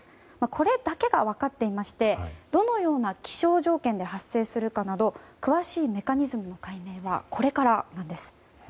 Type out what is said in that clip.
これだけが分かっていましてどのような気象条件で発生するかなど詳しいメカニズムの解明はこれからなんです。